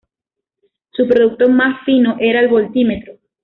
Su producto más fino era el voltímetro.